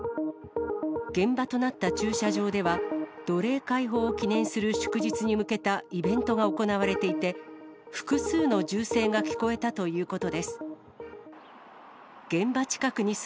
現場となった駐車場では、奴隷解放を記念する祝日に向けたイベントが行われていて、複数の銃声が聞こえたということです。